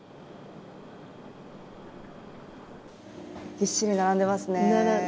ぎっしり並んでますね。